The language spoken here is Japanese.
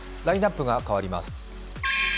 ラインナップが変わります。